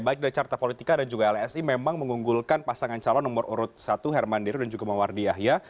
baik dari carta politika dan juga lsi memang mengunggulkan pasangan calon nomor urut satu hermandiri dan juga mawardi yahya